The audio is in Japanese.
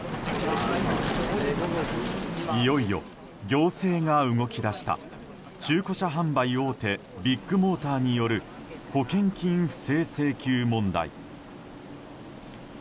いよいよ、行政が動き出した中古車販売大手ビッグモーターによる保険金不正請求問題。